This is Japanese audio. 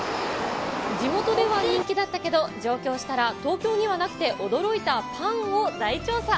地元では人気だったけど、上京したら東京にはなくて驚いたパンを大調査。